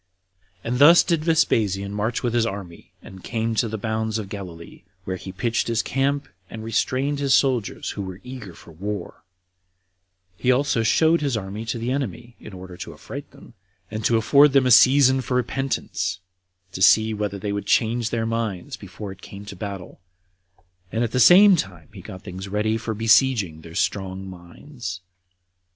3. And thus did Vespasian march with his army, and came to the bounds of Galilee, where he pitched his camp and restrained his soldiers, who were eager for war; he also showed his army to the enemy, in order to affright them, and to afford them a season for repentance, to see whether they would change their minds before it came to a battle, and at the same time he got things ready for besieging their strong minds.